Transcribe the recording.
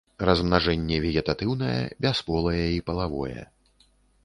Размнажэнне вегетатыўнае, бясполае і палавое.